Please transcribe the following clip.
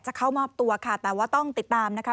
เข้ามอบตัวค่ะแต่ว่าต้องติดตามนะคะ